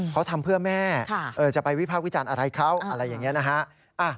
เขาทำเพื่อแม่จะไปวิพากษ์วิจารณ์อะไรเขาอะไรอย่างนี้นะฮะ